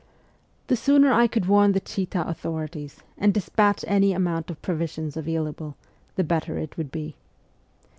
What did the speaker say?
The sooner I could warn the Chita authorities, and despatch any amount of provisions available, the better it would be.